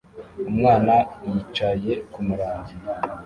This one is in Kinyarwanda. Umwana yicaye kumurangi